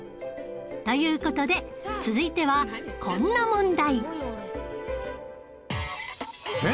という事で続いてはこんな問題